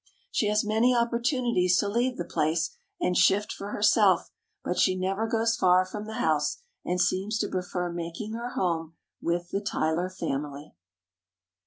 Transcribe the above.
She has many opportunities to leave the place and shift for herself, but she never goes far from the house and seems to prefer making her home with the Tyler family.